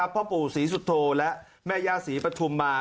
พ่อปู่ศรีสุโธและแม่ย่าศรีปฐุมมา